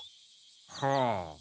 はあ。